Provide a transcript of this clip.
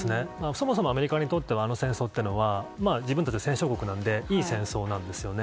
そもそもアメリカにとってはあの戦争というのは自分たちは戦勝国なんでいい戦争なんです。